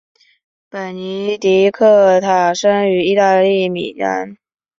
本尼迪克塔生于意大利米兰。